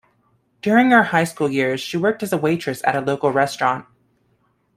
During her high school years, she worked as a waitress at a local restaurant.